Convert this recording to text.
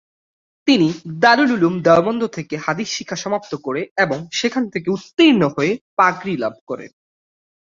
তিনি দারুল উলুম দেওবন্দ থেকে হাদিস শিক্ষা সমাপ্ত করে এবং সেখান থেকে উত্তীর্ণ হয়ে পাগড়ি লাভ করেন।